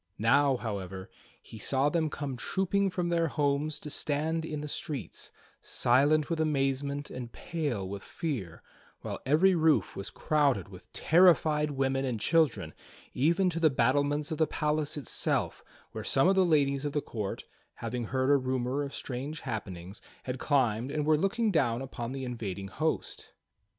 Now, however, he saw them come trooping from their homes to stand in the*streets, silent with amazement and pale with fear, while every roof was crowded with terrified women and children, even to the battlements of the palace itself where some of the ladies of the court, having heard a rumor of strange happenings, had climbed and were looking down upon the invading host.